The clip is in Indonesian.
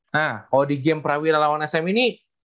nah kalau di game prawira lawan sm ini